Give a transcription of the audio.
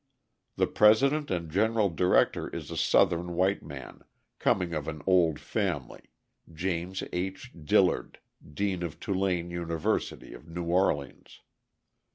The president and general director is a Southern white man, coming of an old family, James H. Dillard, dean of Tulane University of New Orleans.